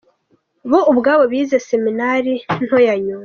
Bo ubwabo bize seminari nto ya Nyundo.